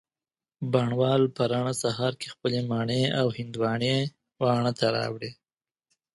بڼ وال په رڼه سهار کي خپلې مڼې او هندواڼې واڼه ته راوړې